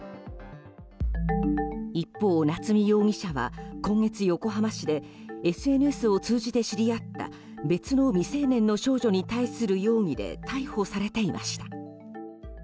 一方、夏見容疑者は今月、横浜市でＳＮＳを通じて知り合った別の未成年の少女に対する容疑で逮捕されていました。